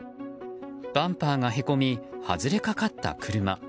バンパーがへこみ外れかかった車。